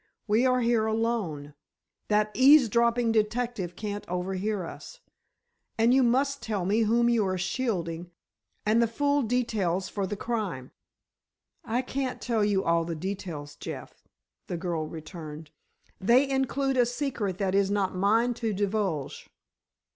We are here alone, that eavesdropping detective can't overhear us, and you must tell me whom you are shielding and the full details for the crime." "I can't tell you all the details, Jeff," the girl returned, "they include a secret that is not mine to divulge."